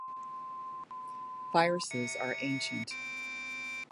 Viruses are ancient.